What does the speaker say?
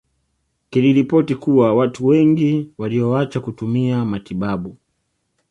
Kiliripoti kuwa watu wengi walioacha kutumia matibabu